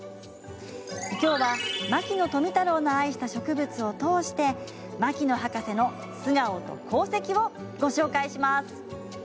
今日は牧野富太郎の愛した植物を通して牧野博士の素顔と功績をご紹介します。